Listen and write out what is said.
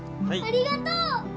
ありがとう！